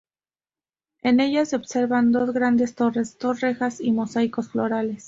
En ella se observan dos grandes torres, dos rejas y mosaicos florales.